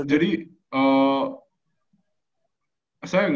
seahawks seahawks ini namanya